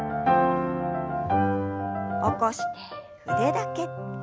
起こして腕だけ。